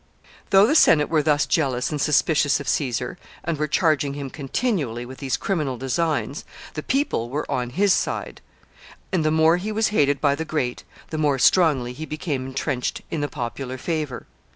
] Though the Senate were thus jealous and suspicious of Caesar, and were charging him continually with these criminal designs, the people were on his side; and the more he was hated by the great, the more strongly he became intrenched in the popular favor.